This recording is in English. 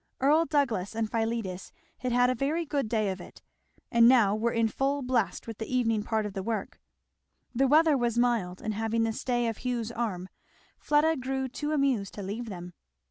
Earl Douglass and Philetus had had a very good day of it, and now were in full blast with the evening part of the work. The weather was mild, and having the stay of Hugh's arm Fleda grew too amused to leave them.